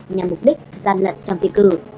nhằm mục đích gian lận trong thi cử